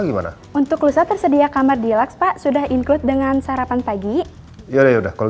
gimana untuk lusa tersedia kamar di laks pak sudah include dengan sarapan pagi ya kalau